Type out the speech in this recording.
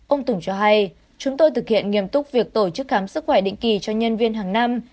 ông tùng cho hay chúng tôi thực hiện nghiêm túc việc tổ chức khám sức khỏe định kỳ cho nhân viên hàng năm